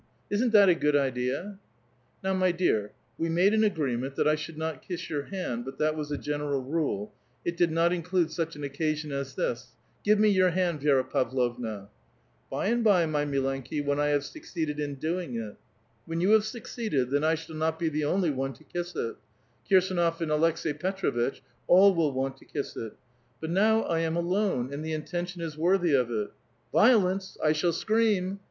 Isn't that a good idea?" Now, my dear, we made an agreement that I should not kiss your hand, but that was a general rule ; it did not include such an occasion as this. Give me 3'our hand, Vi^ra Pavlovna I "*" Bv and bv, my mUenki, when I have succeeded in doing it." ^'AVhen you have succeeded, then I shall not be the onlj' one to kiss it : Kirsdnof and Aleks^i Petrovitch, all will want to kiss it. But now I am alone ; and the intention is worthy of it." '* Violence ! I shall scream